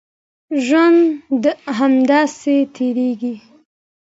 ژوند همداسې تېرېږي.